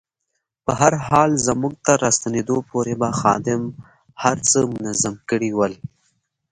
په هر حال زموږ تر راستنېدا پورې به خادم هر څه منظم کړي ول.